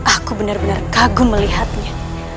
aku benar benar kagum melihatnya